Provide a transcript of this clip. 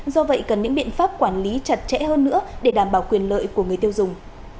do vậy cần những biện pháp quản lý chặt chẽ hơn nữa để đảm bảo quyền lợi của người tiêu dùng